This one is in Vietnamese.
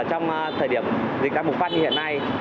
trong thời điểm dịch đã bùng phát như hiện nay